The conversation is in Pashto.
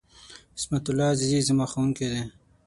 عصمت الله عزیزي ، زما ښوونکی دی.